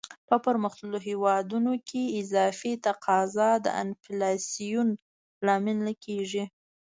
په پرمختللو هیوادونو کې اضافي تقاضا د انفلاسیون لامل نه کیږي.